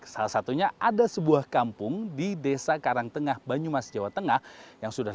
salah satunya ada sebuah kampung di desa karangtengah banyumas jawa tengah yang sudah